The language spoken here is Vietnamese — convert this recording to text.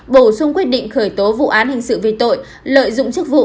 bổ sung quyết định khởi tố vụ án hình sự về tội lợi dụng chức vụ